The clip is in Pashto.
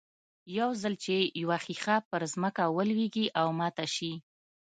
يو ځل چې يوه ښيښه پر ځمکه ولوېږي او ماته شي.